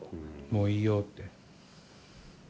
もういいよって。